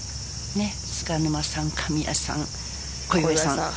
菅沼さん、神谷さん小祝さん